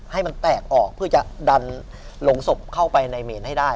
ให้มันแตกออกเพื่อจะดันลงศพเข้าไปในเมนให้ได้